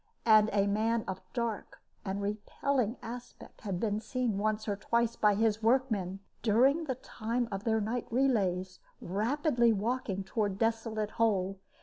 And a man of dark and repelling aspect had been seen once or twice by his workmen, during the time of their night relays, rapidly walking toward Desolate Hole.